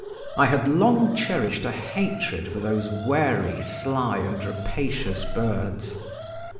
I had long cherished a hatred for those wary, sly, and rapacious birds.